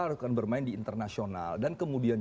akan bermain di internasional dan kemudian